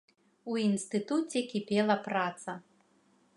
У інстытуце кіпела праца.